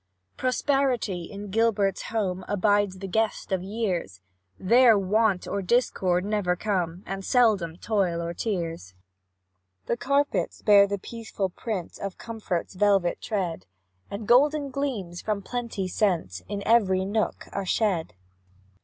Prosperity, in Gilbert's home, Abides the guest of years; There Want or Discord never come, And seldom Toil or Tears. The carpets bear the peaceful print Of comfort's velvet tread, And golden gleams, from plenty sent, In every nook are shed.